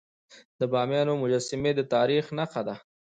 د بامیانو مجسمي د تاریخ نښه ده.